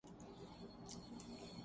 فورا دھر لیا جائے گا اور سمجھ آ جائے گی۔